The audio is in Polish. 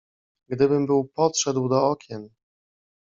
"Gdybym był podszedł do okien!"